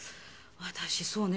私そうね。